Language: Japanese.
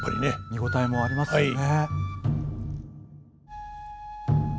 見応えもありますよね。